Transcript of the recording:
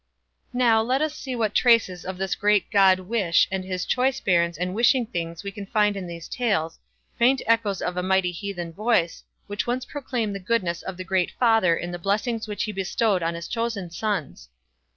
Now, let us see what traces of this great god "Wish" and his choice bairns and wishing things we can find in these Tales, faint echoes of a mighty heathen voice, which once proclaimed the goodness of the great Father in the blessings which he bestowed on his chosen sons.